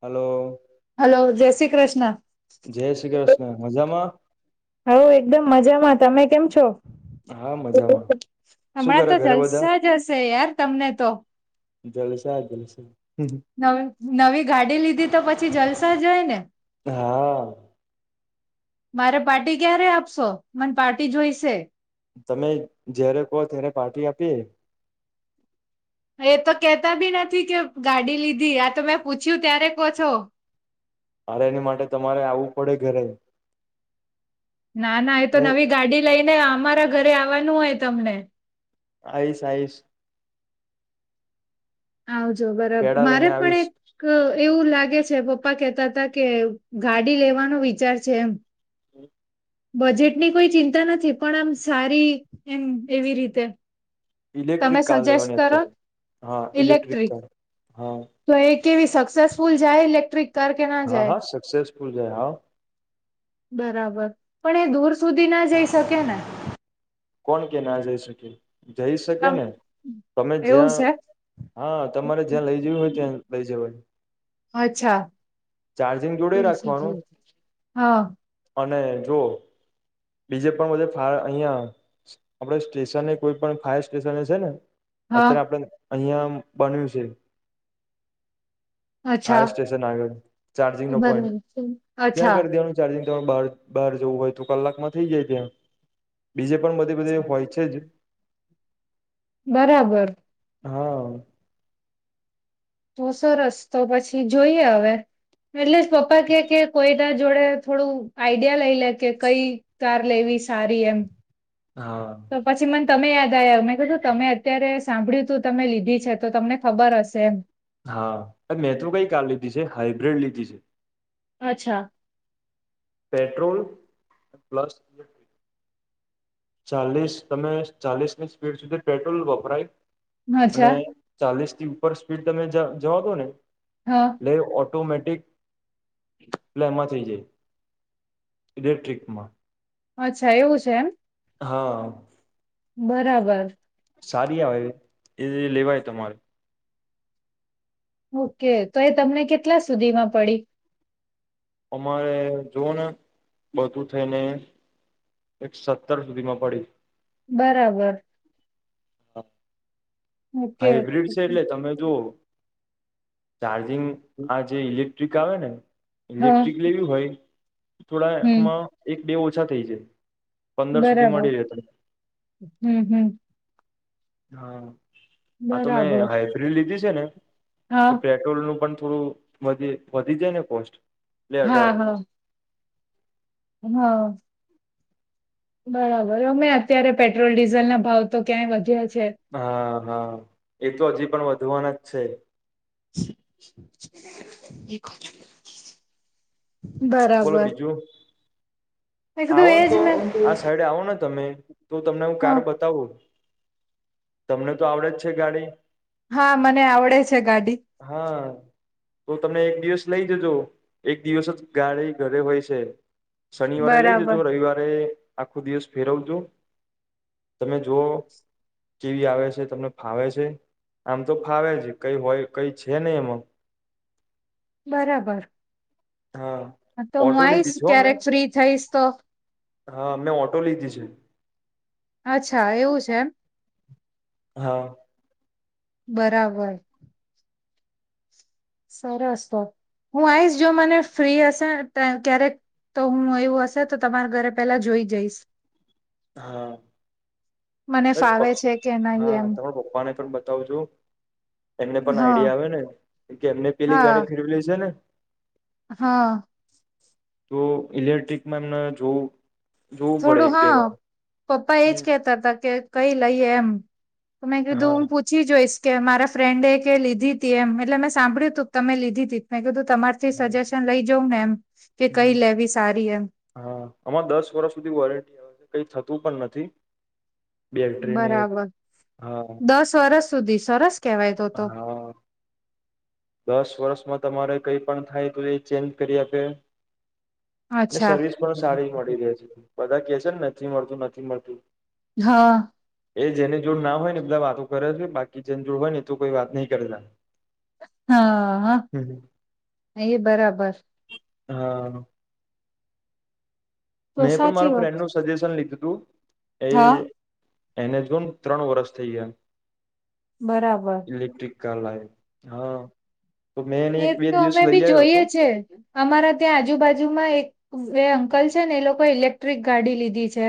Hello hello, જે શ્રી કૃષ્ણ. જે શ્રી કૃષ્ણ. મજામાં? હૌ, એકદમ મજામાં. તમે કેમ છો? હા મજામાં શું હમણાં કરે તો ઘરે બધા જલસા જ હશે યાર, તમને તો! જલસા, જલસા. નવી નવી ગાડી લીધી, તો પછી જલસા જ હોય ને! હા. મારે પાર્ટી ક્યારે આપશો? મને પાર્ટી જોઈશે. તમે જ્યારે કહો ત્યારે પાર્ટી આપીએ. એ તો કેતા બી નથી કે ગાડી લીધી. આ તો મેં પૂછ્યું ત્યારે કો છો. અરે એની માટે તમારે આવવું પડે ઘરે. ના ના, એ તો હું નવી ગાડી લઈને અમારા ઘરે આવવાનું હોય તમને. આઈશ, આઈશ. આવજો. બરાબર. પેડા મારે લઈને પણ આવીશ એક એવું લાગે છે પપ્પા કેહેતા હતા કે, ગાડી લેવાનો વિચાર છે એમ. હં. બજેટની કોઈ ચિંતા નથી, પણ આમ સારી એમ એવી રીતે. તમે ઇલેક્ટ્રિક કાર સજેસ્ટ લેવાની કરો. અત્યારે હા ઇલેક્ટ્રિક. કાર હા તો એક કેવી સક્સેસફુલ જાય ઇલેક્ટ્રિક? કાર કે ના હા, જાય હા. સક્સેસફુલ જાય હા. બરાબર. પણ એ દૂર સુધી ના જઈ શકે ને? કોણ કે ના જઈ શકે? જઈ શકે આમ ને! તમે એવું જ્યાં છે. હા, તમારે જ્યાં લઈ જવી હોય ત્યાં લઈ જવાય. અચ્છા. ચાર્જિંગ જોડે રાખવાનું હા અને, જો બીજે પણ બધે ફાય, અહિયાં, આપડે સ્ટેશને કોઈ પણ ફાયર સ્ટેશને છે ને હા અત્યારે આપડે અહિયાં બન્યું છે. અચ્છા ફાયર સ્ટેશન આગળ ચાર્જિંગનો પોઈન્ટ. બરાબર ત્યાં અચ્છા કરી દેવાનું ચાર્જિંગ. બાર બહાર જવું હોય, તો કલાકમાં થઇ જાય ત્યાં. બીજે પણ બધે બધી હોય છે જ બરાબર. હા. તો સરસ તો પછી જોઈએ હવે એટલે પપ્પા કે કે કોઈ. બધા જોડે થોડું આઈડિયા લઈ લે કે કઈ કાર લેવી સારી એમ. હા. તો પછી મને તમે યાદ આયા મેં કધું તમે અત્યારે સાંભળ્યું તું તમે લીધી છે તો તમને ખબર હશે એમ. હા મે તો કઈ કાર લીધી છે હાઈબ્રીડ લીધી છે. અચ્છા. Petrol plus. ચાલીસ તમે ચાલીસની સ્પીડ સુધી પેટ્રોલ વપરાય. અને અચ્છા ચાલીસ થી ઉપર સ્પીડ તમે જ જવા દો ને હા એટલે ઓ ટોમેટિક પ્લેમાં થઈ જાય ઇલેક્ટ્રિકમાં. અચ્છા એવું છે એમ. હા‌. બરાબર. સારી આવે, એ લેવાય તમારે. ઓ કે. તો એ તમને કેટલા સુધીમાં પડી? અમારે જોવો ને બધું થઈને એક સત્તર સુધી માં પડી. બરાબર. ઓકે હાઈબ્રિડ છે એટલે તમે જોવો. ચાર્જિંગ આ જે ઇલેક્ટ્રિક આવે ને હા ઇલેક્ટ્રિક લેવી હોય. થોડા હમ એમાં એક બે ઓછા થઇ જાય. પંદર સુધી બરાબર મળી રહે. હમ હમ હા આ તો બરાબર મેં હાઈબ્રીડ લીધી છે ને હા પેટ્રોલ નું પણ. થોડું વધી વધી જાય ને કોસ્ટ. એટલે હા અઢાર હા. હા. બરાબર અમે અત્યારે પેટ્રોલ ડીઝલ ના ભાવ તો ક્યાંય વધ્યા છે. હા હા એ તો હજી પણ વધવાના જ છે. એ ક. બોલો બીજું. મે કીધું આવો એજ તો ને આ સાઈડે આવો ને. તમે તો તમને હું કાર હા બતાવું તમને તો આવડે જ છે ગાડી. હા મને આવડે છે ગાડી. હા તો તમે એક દિવસ લઈ જજો એક દિવસ જ ગાડી ઘરે હોય છે. શનિવારે લઈ બરાબર જજો, રઇવારે આખો દિવસ ફેરવજો. તમે જોઓ, કેવી આવે છે, તમને ફાવે છે? આમ તો ફાવે જ. કઈ હોય, એવુ કઈ છે નહી એમાં. બરાબર. હા, તો હું ઓટો આવીશ લીધી છે હો મેં! ક્યારેક ફ્રી થઈશ તો હા, અમને ઓટો લીધી છે. અચ્છા એવું છે એમ‌? હા બરાબર. સરસ તો, હું આઈસ, જો મને ફ્રી હસે ને તે ક્યારેક. તો હું એવું હસે, તો તમારા ઘરે પેલા જોઈ જઈસ. હા. મને એટ ફાવે પપ, છે કે નહી હા, એમ તમારા પપ્પાને પણ બતાવજો. એમને પણ હા આઈડિયા આવે ને કે, એમને પેલી હા ગાડી ફેરવેલી છે ને. હા. તો ઈલેક્ટ્રિકમાં એમને જોવું, જોવું પડે થોડું એક બે હા વાર. પપ્પા એજ હમ કેહેતાતા કે કઈ લઈએ એમ, તો મેં કીધું હું હા પૂછી જોઈસ. કે મારા ફ્રેન્ડ એ કે લીધીતી એમ, એટલે મેં સાંભળ્યું તુંક તમે લીધીતી મેં કીધું તમારથી સજેશન લઈ જઉં ને એમ. કે કઈ હ લેવી સારી એમ હા, આમાં દસ વરસ ની વોરંટ, કઈ થતું પણ નથી. બેટરીને બરાબર હા દસ વરસ સુધી સરસ કહેવાય તો તો હા દસ વર્ષમાં તમારે કઈ પણ થાય તો એ ચેન્જ કરી આપે ને અચ્છા સર્વિસ પણ સારી મળી રહે છે બધા કે છે ને નથી મળતું નથી મળતું. હા. એ જેની જોડ ના હોય ને બધા વાતો કરે છે બાકી જેની જોડ હોય ને એ તો કોઈ વાત નહી કરતા. હા-હા એ બરાબર. હા. તો મેં પણ માર સાચી વાત ફ્રેન્ડનું સજેશન લીધું હતું એ હા એને જ જો ત્રણ વરષ થઈ ગયા. બરાબર. કાલ લાઈ હા. તો મેં એને એ એક બે તો દિવસ અમે લઈ બી આવ્યો જોઈએ હતો છે. અમારા ત્યાં આજુબાજુમાં એક એ અંકલ છે ને, એ લોકો ઇલેક્ટ્રિક ગાડી લીધી છે,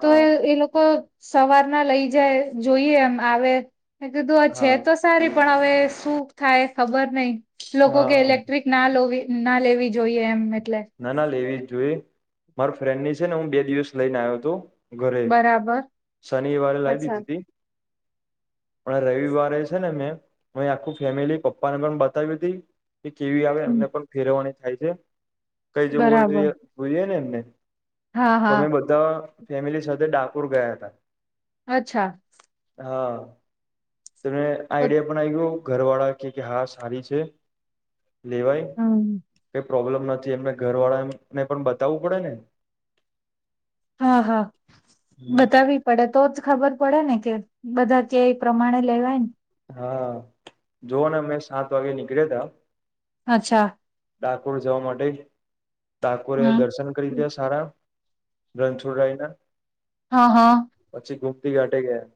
તો એ એ લોકો સવારના લઈ જાય, જોઈએ, એમ આવે, મે કીધું છે હા તો સારી પણ હવે સુ થાય ખબર નહી લોકો હા કે હા ઇલેક્ટ્રિક ના લોવી ના લેવી જોઈએ એમ ને. ના ના લેવી જ જોઈએ માર ફ્રેન્ડ ની છે ને હું બે દિવસ લઈને આયોતો ઘરે બરાબર શનિવારે લાઈ અચ્છા દીધીતી. પણ રવિવારે છે ને મેં, મેં આખું ફેમિલી પપ્પાને પણ બતાવી તી. એ કેવી આવે હમ, એમને પણ ફેરવવાની થાય છે કઈ જેવું હોય તો બરાબર એ જોઈએ ને એમને! હા હા તોમે બધા ફેમિલી સાથે ડાકોર ગયા હતા. અચ્છા. હા, તમને આઈડિયા પણ આવી ગઓ ઘર વાળા કે કે હા સારી છે લેવાય હમ, કઈ પ્રોબ્લમ નથી. હજી એમને એમને ઘર વાળાને પણ બતાવવું પડે ને. હા-હા હમ બતાવી પડે તો જ ખબર પડે ને કે બધા કેય પ્રમાણે લેવાયને. હા જોવ ને મેં સાત વાગે નીકળ્યા તા અચ્છા. ડાકોર જવા માટે ડાકોરે હમ દર્શન કરી લીદ્યા સારા. રણછોડ રાયના. હા-હા. હલ્દીથી ઘાટેે ગયા.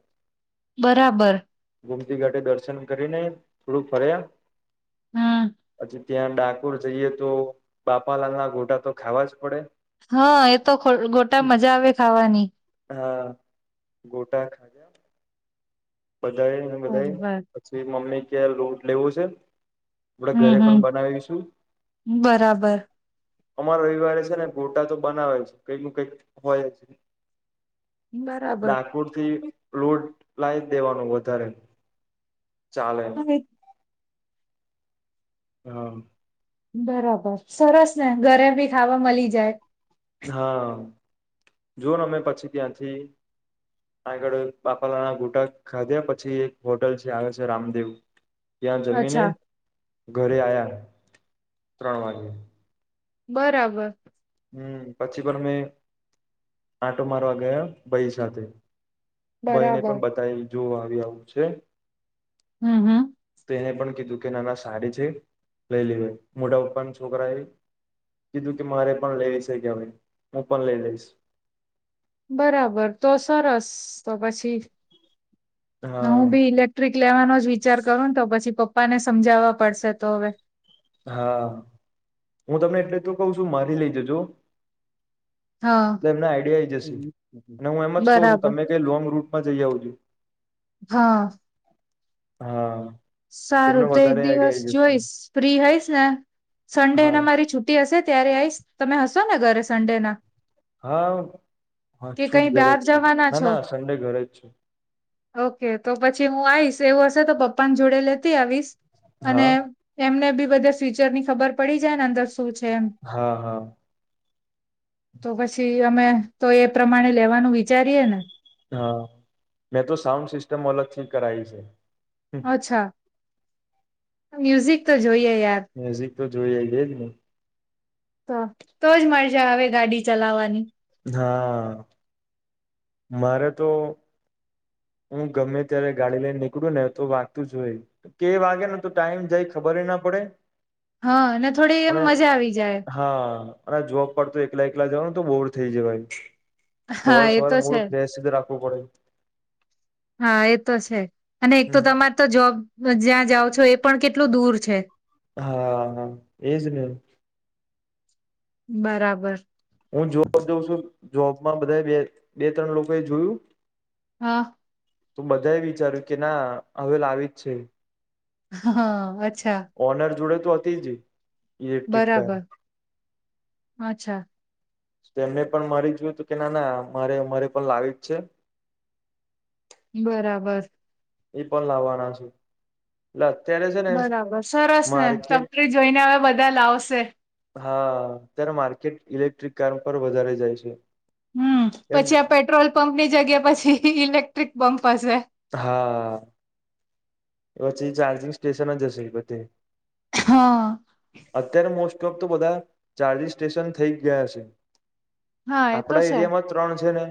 બરાબર. ગુમતી ઘાટે દર્શન કરીને થોડુંક હમ ફર્યા પછી ત્યાં ડાક ડાકોર જઈએ તો બાપાલાલ ના ઘોટા તો ખાવા જ પડે. હા એતો ગોટા મજા આવે ખાવાની. હા ગોટા બધા ને બધા બરોબર પછી મમ્મી ક્યાં લોટ લેવો છે. આપડે હમ ઘરે હમ પણ બનાવીશું. બરાબર અમાર રવિવારે છે ને ગોટા તો બનાવે છે કંઈક નું કઈક હોય. બરાબર ડાકોર થી લોટ લાય દેવાનું વધારે ચાલે. હા. બરાબર સરસ ને ઘરે ભી ખાવા મળી જાય. હા જોઓને અમે પછી ત્યાંથી આ આગળ બાપાલાના ગુટા ખાધ્યા પછી એક હોટલ છે આવે છે રામદેવ ત્યાં જમીને અચ્છા ઘરે આયા ત્રણ વાગે બરાબર. હમ્મ પછી પણ મેં આટો મારવા ગયા ભાઈ સાથે ભયને બરાબર પણ બતાવી જોવ આવી આવું છે. હમ હમ તે એને પણ કીધું નાન સારી છે લઈ લે મોટા પપ્પાના છોકરાએ કીધું કે મારે પણ લેવી છે કે હવે હું પણ લઈ લઈશ બરાબર તો સરસ તો પછી હું ભી હા ઇલેક્ટ્રિક લેવાનો જ વિચાર કરુંને તો પછી પ પ્પા ને સમજાવવા પડશે તો હવે. હા હું તમને એટલે તો કઉ છું મારી લઈ જજો હા લે એમના આઈડિયા આઈ જશે અને હું એમ જ કહું છું બરાબર તમે કઈ લોંગ રૂટમાં જઈ આવ જો હા. હા. તેમને સારું તો એક વધારે દિવસ આઈડિયા આવી જશે જોઈશ ફ્રી હઈશ ને સન્ડે ના હા મારી છુટી હશે ત્યારે આઈશ તમે હશો ને ઘરે સન્ડે ના હા હા કે છું જ કઈ ઘરે બહાર જ છું જવાના ના છો ના સંડે ઘરે જ છે. ઓકે તો પછી હું આવીશ એવું હશે તો પપ્પાની જોડે લેતી આવીશ. અને હા એમને બી બધા ફ્યુચર ની ખબર પડી જાય ને અંદર શું છે એમ હા હા. તો પછી અમે તો એ પ્રમાણે લેવાનું વિચારીએ ને હા મેં તો સાઉન્ડ સિસ્ટમ અલગથી કરાઈ છે. અચ્છા મ્યુઝિક તો જોઈએ યાર મ્યુઝિક તો જોઈજ એજને તો તો જ મજા આવે ગાડી ચલાવાની. હા મારે તો હું ગમે ત્યારે ગાડી લઈને નીકળું ને તો વાગતું જ હોય કે વાગે ને તો ટાઈમ જાય ખબર ના પડે હા અને થોડી એમ મજા આવી જાય હા જોબ પર જવાનું તો બોર થઈ જવાય હા સવાર એ સવાર તો છે મૂડ ફ્રેશ રાખવુ પડે. હા એ તો છે અને એક તો તમારે તો જોબ જ્યાં જાઓ છો એ પણ કેટલું દૂર છે. હા હા એજ ને બરાબર. હું જોબ જોઉં છું જોબમાં બધા બે બે ત્રણ લોકો એ જોયું હા. તો બધા એ વિચાર્યું કે ના હવે લાવી જ છે. હા અચ્છા. ઓનર જોડે તો હતી જ ઇલેક્ટ્રિક કાર બરાબર અચ્છા. એને પણ મારી જોયું તું કે ના ના મારે અરે પણ લાવી જ છે. બરાબર. એ પણ લાવવાના છે. એટલે અત્યારે છે ને બરાબર સરસ ને માર્કેટ તમને જોઈને હવે બધા લાવશે. હા ત્યારે માર્કેટ ઇલેક્ટ્રિક કાર પર વધારે જાય છે. હમ્મ એમ પછી આ પેટ્રોલ પંપ ની જગ્યા પછી ઇલેક્ટ્રિક પંપ હશે. હા પછી ચાર્જિંગ સ્ટેશન જ હશે બધી હા અત્યારે મોસ્ટ ઓફ તો બધા ચાર્જિ સ્ટેશન થઈ ગયા છે હા એ તો આપડા છે એરિયામાં ત્રણ છે ને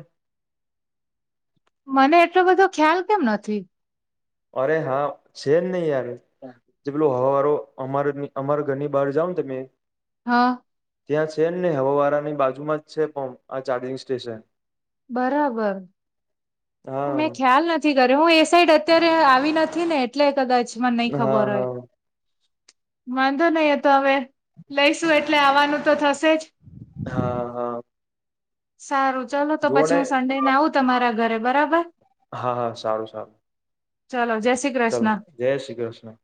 મને એટલો બધો ખ્યાલ કેમ નથી અરે હા છે જ નહી યાર જે પેલું હ અમારે અમારે ઘરની બહાર જાાવ ને તમે હા ત્યાં છે ને હવા વાળાની બાજુમાં જ છે પણમ્પ આ ચાર્જિંગ સ્ટેશન બરાબર હું મેં હા ખ્યાલ નથી કરે હું એ સાઈડ અત્યારે આવી નથી ને એટલે કદાચમાં નહી હા ખબર હા હોય વાંધો નહી હતો હવે લઈશું એટલે આવવાનું તો થશે જ હા હા સારું ચાલો તો જુઓ પછી ને હું સંડે ને આવું તમારા ઘરે બરાબર હા હા સારું સારું ચાલો જ ચાલો જય શ્રી કૃષ્ણ